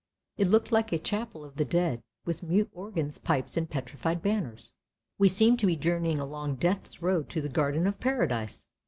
It looked like a chapel of the dead, with mute organ pipes and petrified banners. " We seem to be journeying along Death's road to the Garden of Paradise!